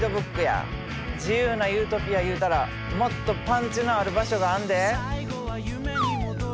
自由なユートピアいうたらもっとパンチのある場所があんで！